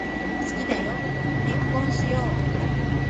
好きだよ、結婚しよう。